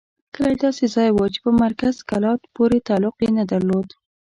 کلی داسې ځای وو چې په مرکز کلات پورې تعلق یې نه درلود.